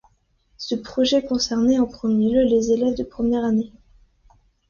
Ce projet concernait en premier lieu les élèves de première année.